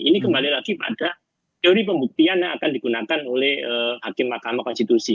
ini kembali lagi pada teori pembuktian yang akan digunakan oleh hakim mahkamah konstitusi